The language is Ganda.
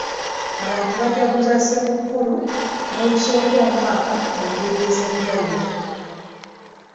Abantu bagaguza ssekukkulu n'olusookoomwaka mu ngeri ez'enjawulo.